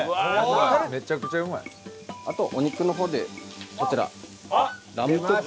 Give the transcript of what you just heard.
あとお肉の方でこちら。